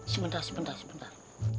sebentar sebentar sebentar